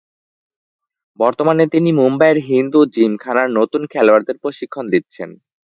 বর্তমানে তিনি মুম্বাইয়ের হিন্দু জিমখানায় নতুন খেলোয়াড়দের প্রশিক্ষণ দিচ্ছেন।